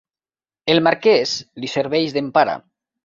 El marquès li serveix d'empara.